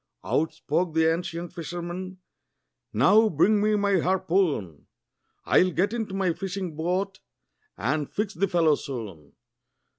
Out spoke the ancient fisherman, "Now bring me my harpoon! I'll get into my fishing boat, and fix the fellow soon."